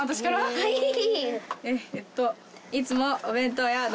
はい。